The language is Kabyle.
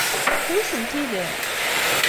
Wi tent-ilan?